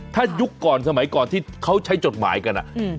ถ้ายุคก่อนสมัยก่อนที่เขาใช้จดหมายกัน